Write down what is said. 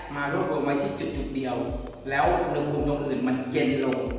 มารวบบนไว้ที่จุดเดียวแล้วลงบุญตรงอื่นมันเย็นลง